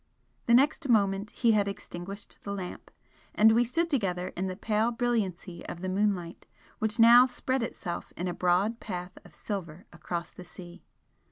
The next moment he had extinguished the lamp, and we stood together in the pale brilliancy of the moonlight which now spread itself in a broad path of silver across the sea.